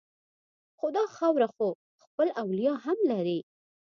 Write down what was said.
خو دا خاوره خو خپل اولیاء هم لري